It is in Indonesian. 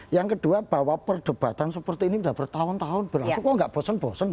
yang kedua bahwa perdebatan seperti ini sudah bertahun tahun berlangsung kok nggak bosen bosen